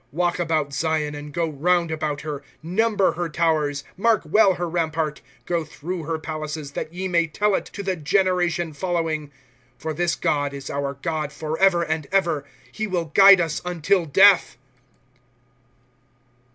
1^ Walk about Zion, and go round about her ; Number her towers. ^' Mark well her rampart. Go through her palaces, That ye may tell it to the generation following. '* For this God is our God forever and ever ; He will guide us, until death.